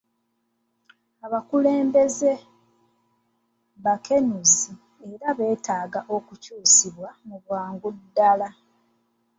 Abakulembeze bakenenuzi era beetaaga okukyusibwa mu bwangu ddala.